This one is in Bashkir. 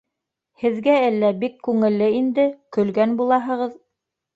— Һеҙгә әллә бик күңелле инде, көлгән булаһығыҙ.